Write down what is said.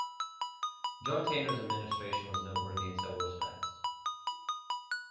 John Tanner's administration was noteworthy in several respects.